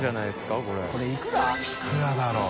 いくらだろう？